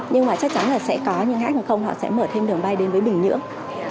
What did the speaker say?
nhưng mà chắc chắn là sẽ có những hãng hàng không họ sẽ mở thêm đường bay đến với bình nhưỡng